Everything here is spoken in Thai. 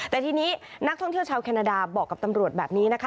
แต่ทีนี้นักท่องเที่ยวชาวแคนาดาบอกกับตำรวจแบบนี้นะคะ